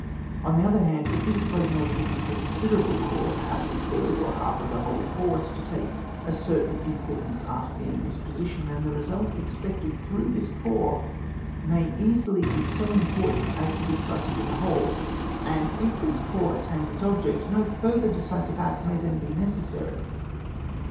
On the other hand, if we suppose an order given to a considerable corps, per haps a third or a half of the whole force, to take a certain important part of the enemy*s position, then the result ex pected through this corps may easily be so important as to be decisive for the whole; and if this corps attains its object, no further decisive act may then be neces sary.